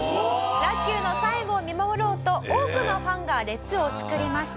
「楽久の最後を見守ろうと多くのファンが列を作りました」